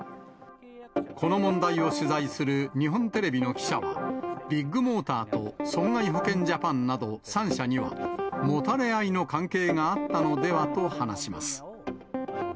この問題を取材する日本テレビの記者は、ビッグモーターと、損害保険ジャパンなど３社には、もたれ合いの関係があったのではと話します。